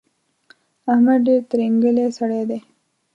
احمد ډېر ترینګلی سړی دی.